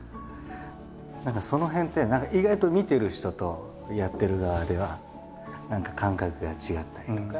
何かその辺って意外と見てる人とやってる側では何か感覚が違ったりとか。